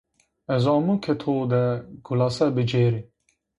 Ez amu ke to de gulase bicêri.